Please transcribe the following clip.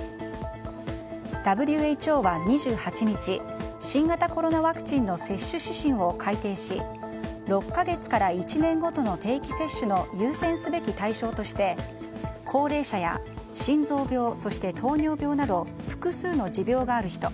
ＷＨＯは２８日新型コロナワクチンの接種指針を改定し６か月から１年ごとの定期接種の優先すべき対象として高齢者や心臓病そして糖尿病など複数の持病がある人。